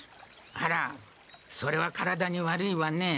あらそれは体に悪いわね。